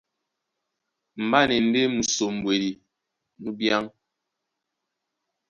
Mbá na e ndé musombwedi nú bíán.